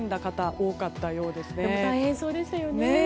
大変そうでしたよね。